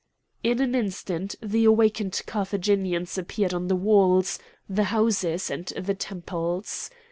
In an instant the awakened Carthaginians appeared on the walls, the houses, and the temples.